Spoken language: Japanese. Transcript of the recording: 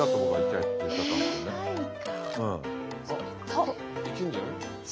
いけんじゃない？